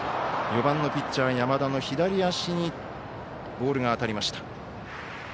４番のピッチャー、山田の左足にボールが当たりました。